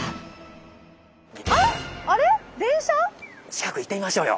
近く行ってみましょうよ。